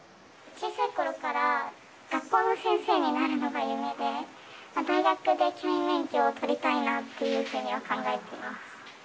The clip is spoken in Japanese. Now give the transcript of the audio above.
小さいころから学校の先生になるのが夢で、大学で教員免許を取りたいなっていうふうには考えてます。